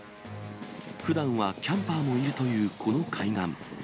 ふだんはキャンパーもいるというこの海岸。